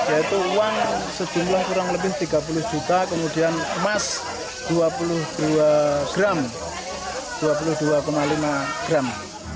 yaitu uang sejumlah kurang lebih tiga puluh juta kemudian emas dua puluh dua lima gram